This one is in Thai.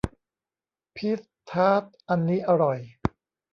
พีชทาร์ตอันนี้อร่อย